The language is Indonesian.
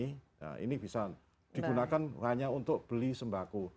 nah ini bisa digunakan hanya untuk beli sembako